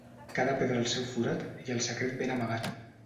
Cada pedra al seu forat i el secret ben amagat.